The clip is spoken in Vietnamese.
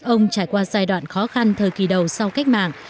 ông trải qua giai đoạn khó khăn thời kỳ đầu sau cách mạng